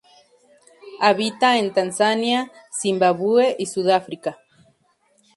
Habita en Tanzania, Zimbabue y Sudáfrica.